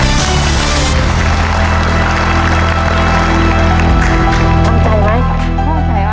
ในใจไหม